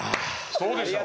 そうでしょ？